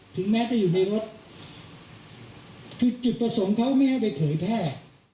ถึงแม้จะอยู่ในรถคือจุดประสงค์เขาไม่ให้ไปเผยแพร่